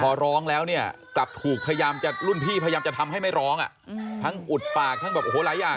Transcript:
พอร้องแล้วเนี่ยกลับถูกพยายามจะรุ่นพี่พยายามจะทำให้ไม่ร้องทั้งอุดปากทั้งแบบโอ้โหหลายอย่าง